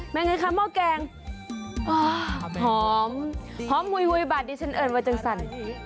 แม่งั้นค่ะเมาแกงอ้อหอมหอมหุยหุยบาดดิฉันเอิญวัยจังสั่น